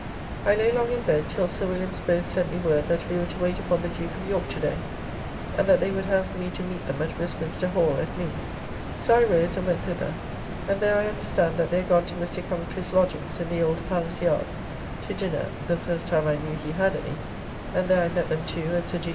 I lay long in bed, till Sir Williams both sent me word that we were to wait upon the Duke of York to day; and that they would have me to meet them at Westminster Hall, at noon: so I rose and went thither; and there I understand that they are gone to Mr. Coventry's lodgings, in the Old Palace Yard, to dinner (the first time I knew he had any); and there I met them two and Sir G.